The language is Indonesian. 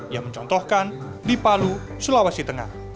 yang mencontohkan di palu sulawesi tengah